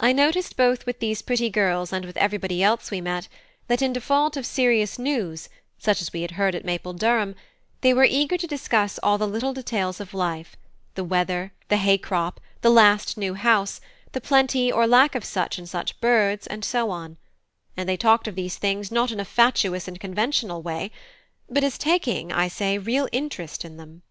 I noticed both with these pretty girls and with everybody else we met, that in default of serious news, such as we had heard at Maple Durham, they were eager to discuss all the little details of life: the weather, the hay crop, the last new house, the plenty or lack of such and such birds, and so on; and they talked of these things not in a fatuous and conventional way, but as taking, I say, real interest in them.